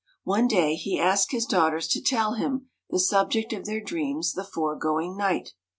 One day he asked his daughters to tell him the subject of their dreams the foregoing night.